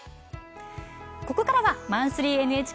ここからは「マンスリーＮＨＫ」。